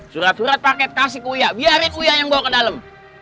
surat surat paket kasih ke uya biarin uya yang bawa ke dalam